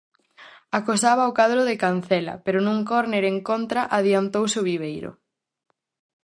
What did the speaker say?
Acosaba o cadro de Cancela, pero nun córner en contra adiantouse o Viveiro.